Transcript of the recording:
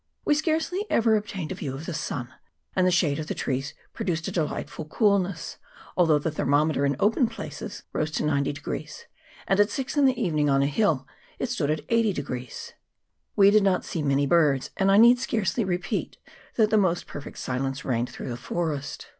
We scarcely ever obtained a view of the sun, and the shade of the trees produced a delightful coolness, 144 MOUNT EGMONT. [PART I. although the thermometer in open places rose to 90, and at six in the evening on a hill it stood at 80. We did not see many birds, and I need scarcely repeat that the most perfect silence reigned through the forest.